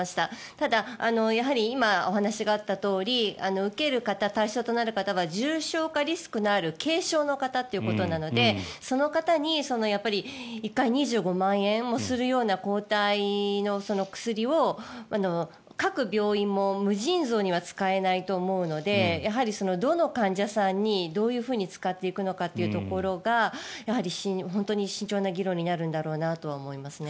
ただ、やはり今お話があったとおり受ける方、対象となる方が重症化リスクのある軽症の方ということなのでその方に１回２５万円もするような抗体の薬を各病院も無尽蔵には使えないと思うのでやはりどの患者さんにどういうふうに使っていくのかというところがやはり本当に慎重な議論になるんだろうなとは思いますね。